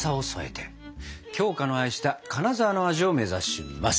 鏡花の愛した金沢の味を目指します。